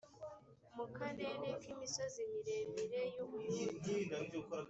mu karere k imisozi miremire y u buyuda